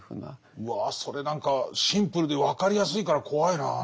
うわそれ何かシンプルで分かりやすいから怖いなぁ。